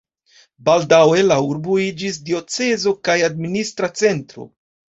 Baldaŭe la urbo iĝis diocezo kaj administra centro.